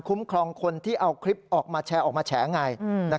ครองคนที่เอาคลิปออกมาแชร์ออกมาแฉไง